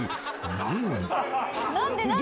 ［なのに］